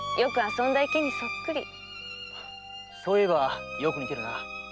そういえばよく似てるな。